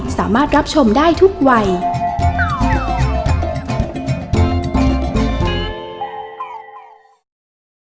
สามารถรับชมได้ทุกวัย